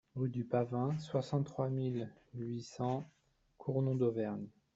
Rue du Pavin, soixante-trois mille huit cents Cournon-d'Auvergne